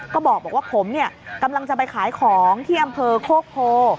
ก็บอกว่าผมเนี่ยกำลังจะไปขายของที่อำเภอโคกโพ